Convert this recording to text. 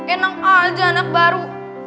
enak aja anak baru